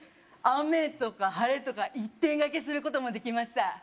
雨とか晴れとか一点がけすることもできました